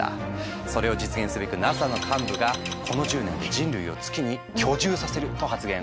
それを実現すべくＮＡＳＡの幹部が「この１０年で人類を月に居住させる」と発言。